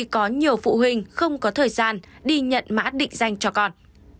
cho phụ huynh không có thời gian đi nhận mã định danh cho con